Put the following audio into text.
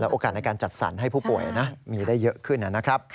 และโอกาสในการจัดสรรให้ผู้ป่วยมีได้เยอะขึ้น